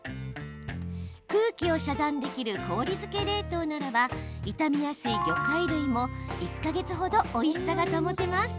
空気を遮断できる氷漬け冷凍ならば傷みやすい魚介類も１か月ほど、おいしさが保てます。